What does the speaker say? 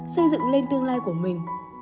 xây dựng lên tương lai của mình